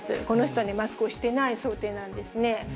この人はマスクをしていない想定なんですね。